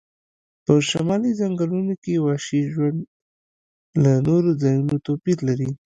په شمالي ځنګلونو کې وحشي ژوند له نورو ځایونو توپیر لري